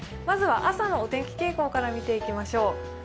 まずは朝のお天気傾向から見ていきましょう。